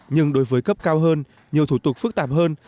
nhưng đối với cấp cao hơn nhiều thủ tục phức tạp hơn